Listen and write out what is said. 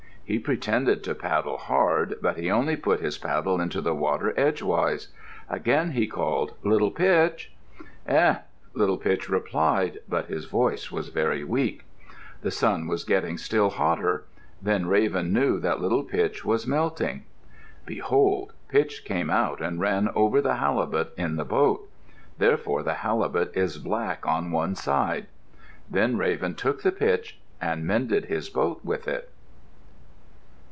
He pretended to paddle hard, but he only put his paddles into the water edgewise. Again he called, "Little Pitch!" "Heh!" Little Pitch replied, but his voice was very weak. The sun was getting still hotter. Then Raven knew that Little Pitch was melting. Behold! Pitch came out and ran over the halibut in the boat. Therefore the halibut is black on one side. Then Raven took the pitch and mended his boat with it.